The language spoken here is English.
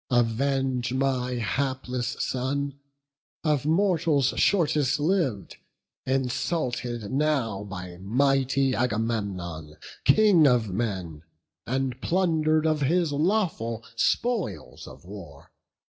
Avenge my hapless son, Of mortals shortest liv'd, insulted now By mighty Agamemnon, King of men, And plunder'd of his lawful spoils of war.